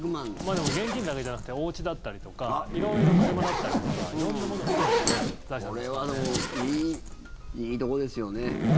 でも現金だけじゃなくておうちだったりとか色々、車だったりとか色んなもの含めて財産ですから。えっ？